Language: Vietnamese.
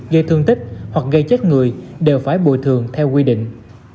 gây thương tích hoặc gây chết người đều phải bồi thường theo quy định